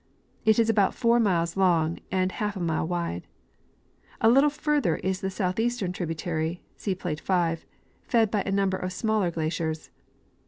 It is about four miles long and half a mile wide. A little further is the southeastern tributary (see plate 5), fed by a number of smaller glaciers.